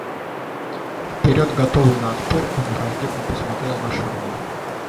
Вперед готовый на отпор, он враждебно посмотрел на шурина.